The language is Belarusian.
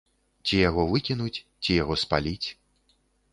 Ці яго выкінуць, ці яго спаліць?